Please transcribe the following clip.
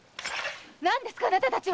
何ですかあなたたちは！